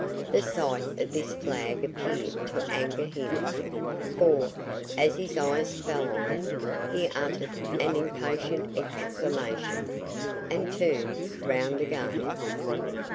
The sight of this flag appeared to anger him, for, as his eyes fell on it, he uttered an impatient exclamation, and turned round again.